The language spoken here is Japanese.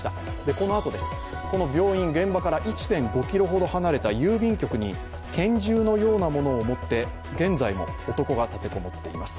このあとです、この病院、現場から１．５ｋｍほど離れた郵便局に拳銃のようなものを持って、現在も男が立て籠もっています。